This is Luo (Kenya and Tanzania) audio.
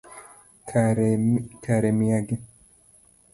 Kare miyagi